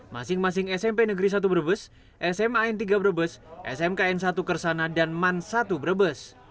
masing masing smp negeri satu brebes sm an tiga brebes sm kn satu kersana dan man satu brebes